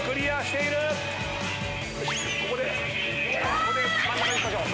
ここで真ん中にしましょう。